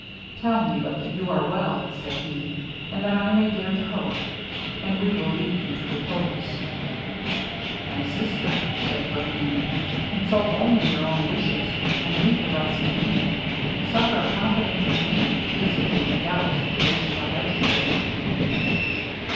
'Tell me but that you are well,' said he, 'and that I may dare to hope, and we will leave you to repose.' 'My sister,' said Ferdinand, 'consult only your own wishes, and leave the rest to me. Suffer a confidence in me to dissipate the doubts with which you are agitated.'